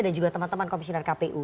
dan juga teman teman komisioner kpu